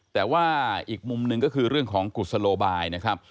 แต่ว่าอีกมุมหนึ่งก็คือเรื่องของกุศโลบายนะครับ